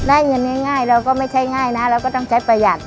ได้เงินง่ายเราก็ไม่ใช่ง่ายนะเราก็ต้องใช้ประหยัด